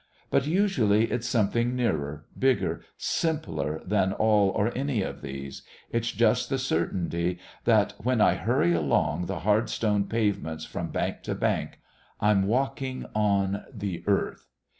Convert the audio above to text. But usually it's something nearer, bigger, simpler than all or any of these. It's just the certainty that, when I hurry along the hard stone pavements from bank to bank, I'm walking on the Earth.